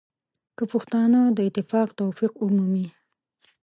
که پښتانه د اتفاق توفیق ومومي.